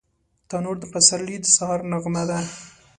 تنور د پسرلي د سهار نغمه ده